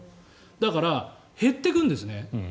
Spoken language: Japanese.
だから、減ってくんですね。